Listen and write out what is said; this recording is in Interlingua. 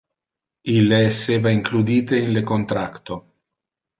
Ille esseva includite in le contracto.